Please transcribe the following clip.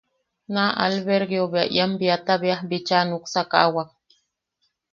Naa albergue bea ian biata beaj bicha nuksakawak.